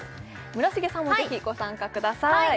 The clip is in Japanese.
村重さんも是非ご参加ください